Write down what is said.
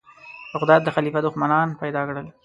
بغداد د خلیفه دښمنان پیدا کړل.